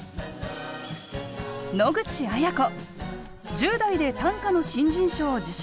１０代で短歌の新人賞を受賞。